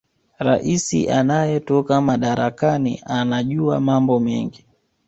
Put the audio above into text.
raisi anayetoka madarakani anajua mambo mengi